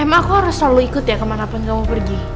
emang aku harus selalu ikut ya kemanapun kamu pergi